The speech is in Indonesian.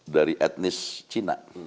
dari etnis cina